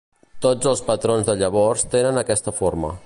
Tots els patrons de Llavors tenen aquesta forma.